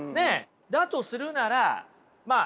だとするならまあ